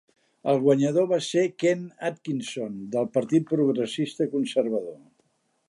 El guanyador va ser Ken Atkinson, del partit progressista conservador.